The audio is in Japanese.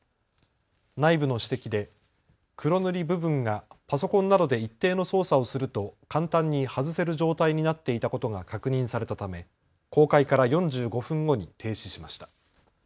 内部の指摘で黒塗り部分がパソコンなどで一定の操作をすると簡単に外せる状態になっていたことが確認されたため公開から４５分後に停止しました。